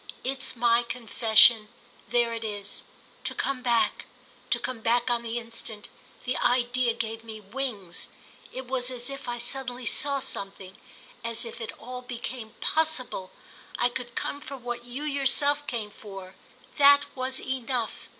It's my confession—there it is. To come back, to come back on the instant—the idea gave me wings. It was as if I suddenly saw something—as if it all became possible. I could come for what you yourself came for: that was enough.